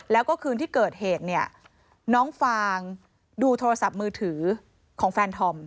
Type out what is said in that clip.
แล้วก็คืนที่เกิดเหตุเนี่ยน้องฟางดูโทรศัพท์มือถือของแฟนธอม